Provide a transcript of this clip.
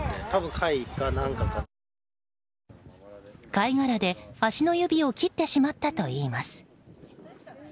貝殻で足の指を切ってしまったといいます。